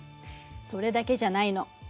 それだけじゃないの。